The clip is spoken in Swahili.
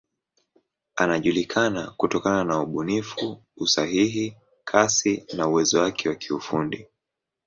Anajulikana kutokana na ubunifu, usahihi, kasi na uwezo wake wa kiufundi.